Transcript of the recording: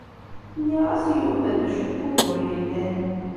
Nniɣ-as i Yuba d acu n wugur yellan.